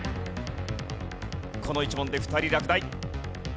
この１問で２人落第。